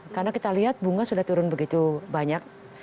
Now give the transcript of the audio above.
karena kita lihat bunga sudah turun begitu banyak